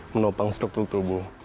menopang struktur tubuh